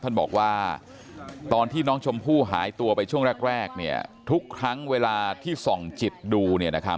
ท่านบอกว่าตอนที่น้องชมพู่หายตัวไปช่วงแรกทุกครั้งเวลาที่ส่องจิตดู